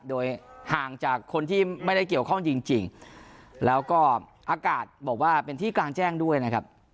โดยห่างจากคนที่ไม่ได้เกี่ยวข้องจริงแล้วก็อากาศบอกว่าเป็นที่กลางแจ้งด้วยนะครับ